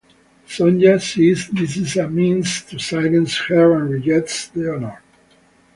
Sonja sees this as a means to silence her and rejects the honor.